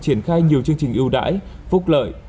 triển khai nhiều chương trình ưu đãi phúc lợi